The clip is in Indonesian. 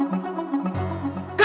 dan itu disebut pengecut